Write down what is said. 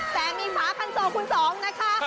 แต่มีหมาคันโซคุณสองนะคะ